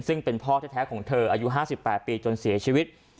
ซึ่งเป็นพ่อแท้ของเธออายุ๕๘ปีจนเสียชีวิต